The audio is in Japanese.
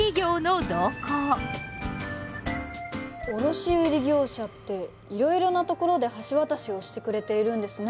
卸売業者っていろいろな所で橋渡しをしてくれているんですね。